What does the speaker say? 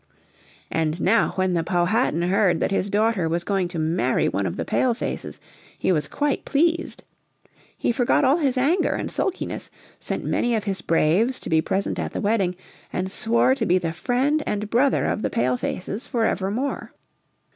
And now when the Powhatan heard that his daughter was going to marry one of the Pale faces he was quite pleased. He forgot all his anger and sulkiness, sent many of his braves to be present at the wedding, and swore to be the friend and brother of the Pale faces forever more.